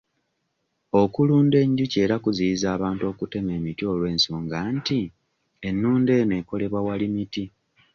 Okulunda enjuki era kuziyiza abantu okutema emiti olw'ensonga nti ennunda eno ekolebwa wali miti.